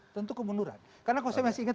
tentu kemunduran karena kalau saya masih ingat